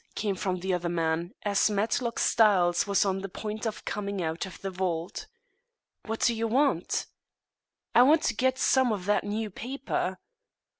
came from the other man, as Matlock Styles was on the point of coming out of the vault. "What do you want?" "I want to get some of that new paper."